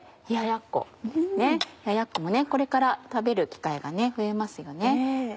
冷ややっこもこれから食べる機会が増えますよね。